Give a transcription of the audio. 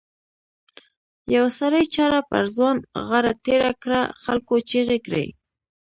یوه سړي چاړه پر ځوان غاړه تېره کړه خلکو چیغې کړې.